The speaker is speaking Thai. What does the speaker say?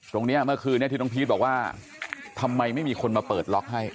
เมื่อคืนนี้เมื่อคืนนี้ที่น้องพีชบอกว่าทำไมไม่มีคนมาเปิดล็อกให้